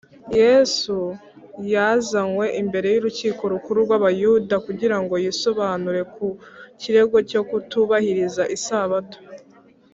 Yesu yazanywe imbere y’Urukiko Rukuru rw’Abayuda kugira ngo yisobanure ku kirego cyo kutubahiriza Isabato